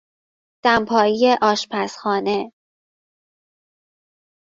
دمپایی آشپزخانه